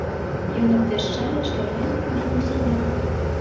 Ён абвяшчае, што ранак змяніўся днём.